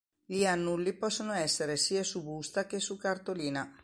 Gli annulli possono essere sia su busta che su cartolina.